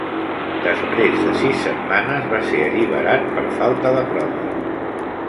Després de sis setmanes va ser alliberat per falta de proves.